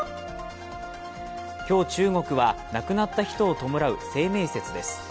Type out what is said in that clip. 今日、中国は亡くなった人を弔う清明節です。